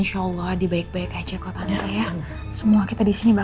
saya mau lihat kebakarannya seperti apa